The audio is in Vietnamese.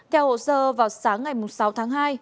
theo hộ sơ vào sáng ngày sáu tháng hai